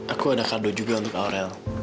aku ada kaldo juga untuk aurel